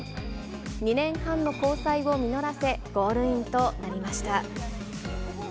２年半の交際を実らせ、ゴールインとなりました。